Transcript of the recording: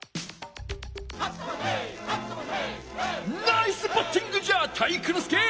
ナイスバッティングじゃ体育ノ介！